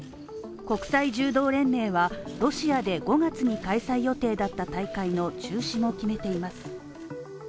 国際柔道連盟は、ロシアで５月に開催予定だった大会の中止も決めています。